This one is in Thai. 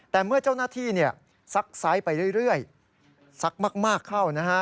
แต่เมื่อเจ้าหน้าที่ซักไซส์ไปเรื่อยซักมากเข้านะฮะ